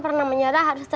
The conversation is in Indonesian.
apa muslim mengaksilinya